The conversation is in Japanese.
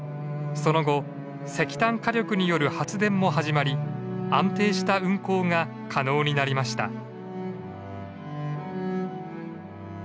その後石炭火力による発電も始まり安定した運行が可能になりました。